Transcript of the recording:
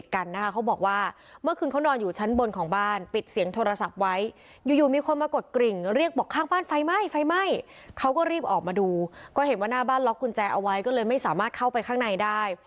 ก็เห็นว่าหน้าบ้านล็อคกุญแจเอาไว้ก็เลยไม่สามารถเข้าไปข้างในได้